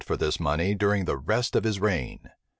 for this money during the rest of his reign.